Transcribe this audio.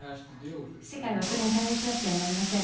世界はそれに対応しなくてはなりません。